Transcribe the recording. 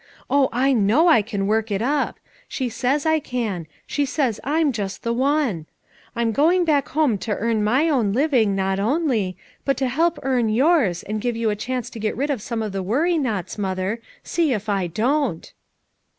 Oh, I know I can work it up! she says I can; she says I'm just the one. I'm go ing back home to earn my own living, not only, but to help earn yours, and give you a chance to get rid of some of the ' worry knots,' Mother, see if I don't."